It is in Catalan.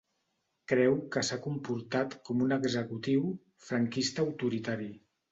Creu que s’ha comportat com un executiu ‘franquista autoritari’.